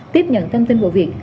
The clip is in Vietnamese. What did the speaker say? tiếp nhận thông tin của việc